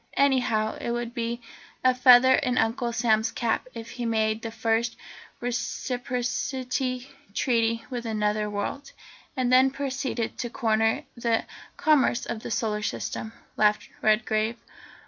Anyhow, it would be a feather in Uncle Sam's cap if he made the first Reciprocity Treaty with another world." "And then proceeded to corner the commerce of the Solar System," laughed Redgrave.